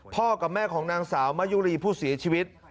กับแม่ของนางสาวมะยุรีผู้เสียชีวิต